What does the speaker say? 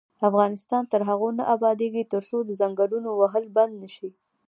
افغانستان تر هغو نه ابادیږي، ترڅو د ځنګلونو وهل بند نشي.